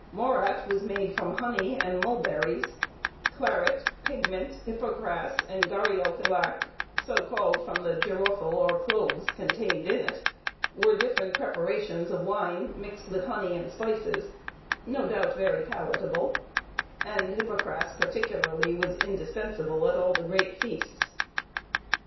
Morat was made from honey and mulberries; claret, pigment, hippocras, and garhiofilac (so called from the girofle or cloves contained in it), were different preparations of wine mixed with honey and spices, no doubt very palatable; and hippocras particularly was indispensable at all the great feasts.